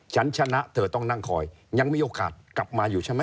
ฉันชนะเธอต้องนั่งคอยยังมีโอกาสกลับมาอยู่ใช่ไหม